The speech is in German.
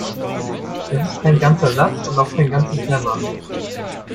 Das ist kein ganzer Satz und auch kein ganzes Lemma.